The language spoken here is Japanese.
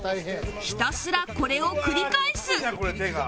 ひたすらこれを繰り返す